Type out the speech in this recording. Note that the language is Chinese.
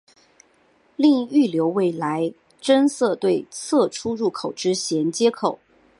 另预留未来增设对侧出入口之衔接口。